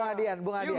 bung adian bung adian